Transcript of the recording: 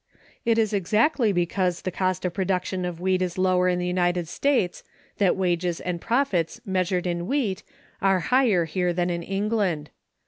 It is exactly because cost of production of wheat is lower in the United States that wages and profits measured in wheat are higher here than in England.